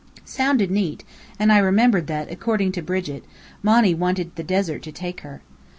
Sounded neat; and I remembered that, according to Brigit, Monny wanted the "desert to take her."